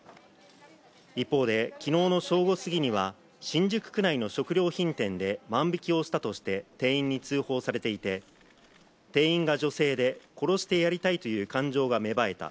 一方できのうの正午すぎには新宿区内の食料品店で万引をしたとして店員に通報されていて、店員が女性で殺してやりたいという感情が芽生えた。